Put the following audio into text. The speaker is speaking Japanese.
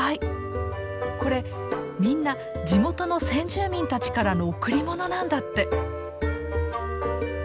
これみんな地元の先住民たちからの贈り物なんだって。